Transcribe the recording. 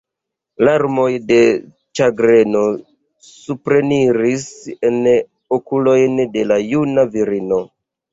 Larmoj de ĉagreno supreniris en okulojn de la juna virino.